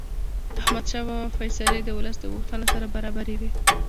احمدشاه بابا فیصلې د ولس د غوښتنو سره برابرې وې.